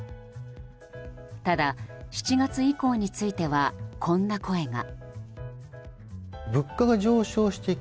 ただ、７月以降についてはこんな声が。